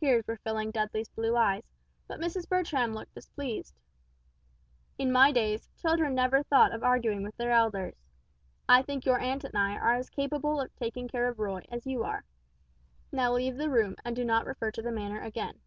Tears were filling Dudley's blue eyes, but Mrs. Bertram looked displeased. "In my days, children never thought of arguing with their elders. I think your aunt and I are as capable of taking care of Roy as you are. Now leave the room, and do not refer to the matter again."